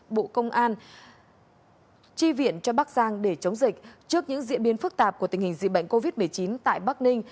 bộ công an tri viện cho bắc giang để chống dịch trước những diễn biến phức tạp của tình hình dịch bệnh covid một mươi chín tại bắc ninh